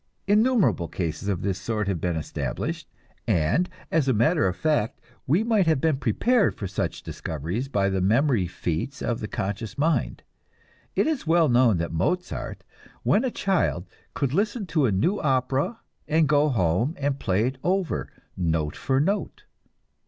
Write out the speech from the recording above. Innumerable cases of this sort have been established; and, as a matter of fact, we might have been prepared for such discoveries by the memory feats of the conscious mind. It is well known that Mozart, when a child, could listen to a new opera, and go home and play it over note for note.